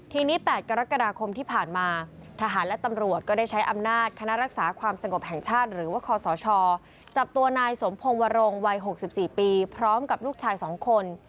ทีนี้๘กรกฎาคมที่ผ่านมาทหารและตำรวจก็ได้ใช้อำนาจคณะรักษาความสงบแห่งชาติหรือว่าคศจับตัวนายสมพงศ์วรงวัย๖๔ปีพร้อมกับลูกชาย๒คน